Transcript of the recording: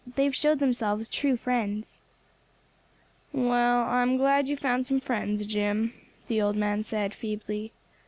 They have showed themselves true friends." "Well, I am glad you have found some friends, Jim," the old man said feebly.